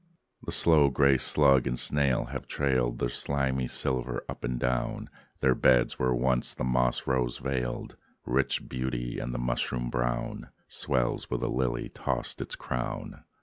The slow gray slug and snail have trailed Their slimy silver up and down The beds where once the moss rose veiled Rich beauty; and the mushroom brown Swells where the lily tossed its crown.